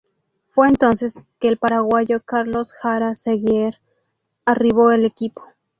Fue entonces que el paraguayo Carlos Jara Saguier arribó al equipo.